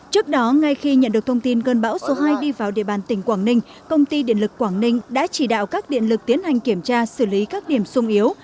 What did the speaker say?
trước đó ngay khi nhận được thông tin cơn bão số hai đi vào địa bàn tỉnh quảng ninh công ty điện lực quảng ninh đã chỉ đạo các điện lực tiến hành kiểm tra xử lý các điểm sung yếu